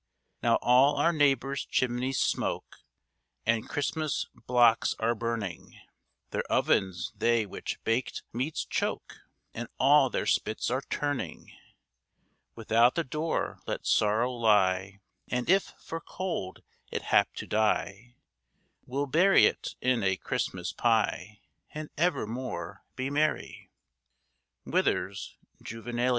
Now all our neighbours' chimneys smoke, And Christmas blocks are burning; Their ovens they with bak't meats choke, And all their spits are turning. Without the door let sorrow lie, And if, for cold, it hap to die, We'll bury't in a Christmas pye, And evermore be merry. WITHERS'S _Juvenilia.